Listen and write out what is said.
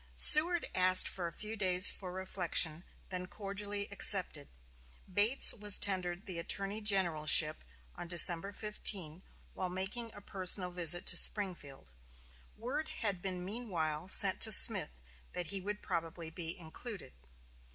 Seward asked a few days for reflection, and then cordially accepted. Bates was tendered the Attorney Generalship on December 15, while making a personal visit to Springfield. Word had been meanwhile sent to Smith that he would probably be included.